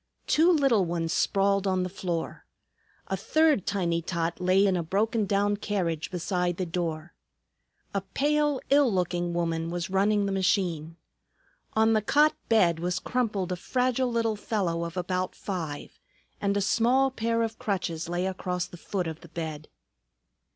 Two little ones sprawled on the floor. A third tiny tot lay in a broken down carriage beside the door. A pale, ill looking woman was running the machine. On the cot bed was crumpled a fragile little fellow of about five, and a small pair of crutches lay across the foot of the bed.